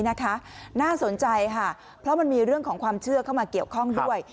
น่าสนใจค่ะเพราะมันมีเรื่องของความเชื่อเข้ามาเกี่ยวข้องด้วย